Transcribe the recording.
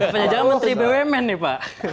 penyediaan menteri bumn nih pak